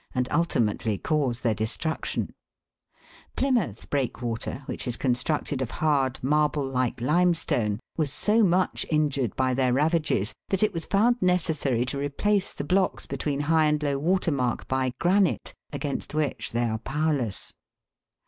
and ultimately cause their destruction. Plymouth breakwater, which is constructed of hard marble like limestone, was so much injured by their ravages Fig. 2i. PHOLAS IN A SHELTER HOLLOWED BY IT IN A BLOCK OF GNEISS. that it was found necessary to replace the blocks between high and low water mark by granite, against which they are powerless.